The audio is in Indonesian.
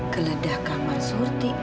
geledah kamar surti